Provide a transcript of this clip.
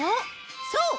そう！